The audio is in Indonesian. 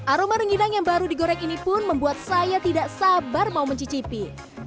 aroma rengginang yang baru digoreng ini pun membuat saya tidak sabar mau mencicipi